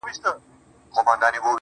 زما د زړه کوتره_